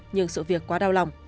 nhưng sự việc quá đau lòng